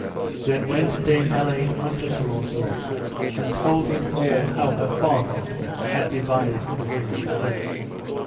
Then went Dame Elaine unto Sir Launcelot, and told him all how her father had devised for him and her.